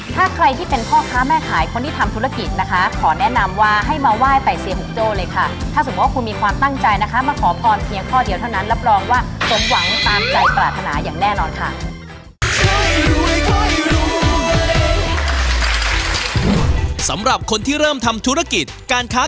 ถ้าใครที่เป็นพ่อค้าแม่ขายคนที่ทำธุรกิจนะคะ